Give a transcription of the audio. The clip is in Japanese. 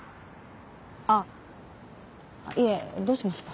あっいえどうしました？